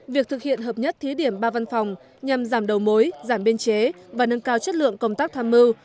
việc thực hiện hợp nhất thí điểm ba văn phòng nhằm giảm đầu mối giảm biên chế và nâng cao chất lượng công tác tham mưu